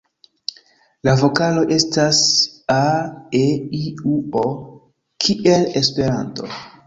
La vokaloj estas a,e,i,u,o kiel Esperanto.